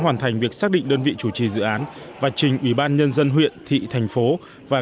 hoàn thành việc xác định đơn vị chủ trì dự án và trình ủy ban nhân dân huyện thị thành phố và